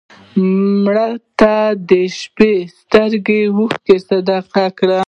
مړه ته د شپه سترګو اوښکې صدقه کړه